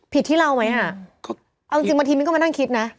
ที่เราไหมอ่ะเอาจริงบางทีมิ้นก็มานั่งคิดนะ